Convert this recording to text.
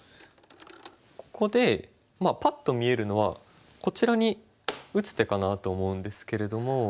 ここでパッと見えるのはこちらに打つ手かなと思うんですけれども。